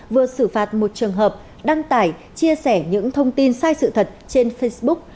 vừa xử phạt một trường hợp đăng tải chia sẻ những thông tin sai sự thật trên facebook